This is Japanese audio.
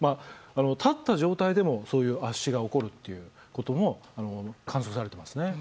立った状態でも圧死が起こるということも観測されていますね。